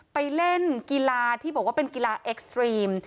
ไปเล่นกีฬาที่บอกว่าเป็นกีฬาเอ็กซ์ตรีม